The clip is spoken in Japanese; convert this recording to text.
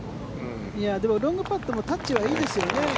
でもロングパットもタッチはいいですよね。